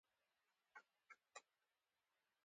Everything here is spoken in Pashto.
طبیعي منظرې رامنځته کولو کې ارزښت لري.